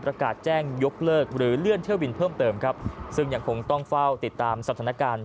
ประกาศแจ้งยกเลิกหรือเลื่อนเที่ยวบินเพิ่มเติมครับซึ่งยังคงต้องเฝ้าติดตามสถานการณ์